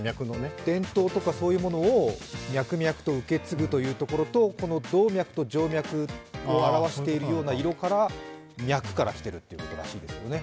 伝統とかそういうものを脈々と受け継ぐということと動脈と静脈を表しているような色から、脈からきてるということらしいですけど。